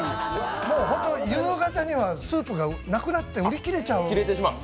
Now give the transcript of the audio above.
夕方にはスープがなくなって売り切れちゃう。